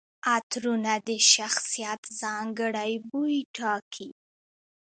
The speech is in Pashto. عطرونه د شخصیت ځانګړي بوی ټاکي.